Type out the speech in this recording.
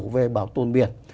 về bảo tồn biển